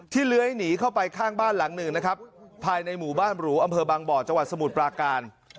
เลื้อยหนีเข้าไปข้างบ้านหลังหนึ่งนะครับภายในหมู่บ้านหรูอำเภอบางบ่อจังหวัดสมุทรปราการ